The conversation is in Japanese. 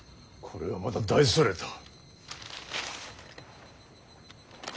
これはまた大それた。